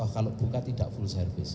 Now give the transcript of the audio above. kalau buka tidak full service